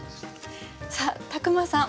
さあ宅間さん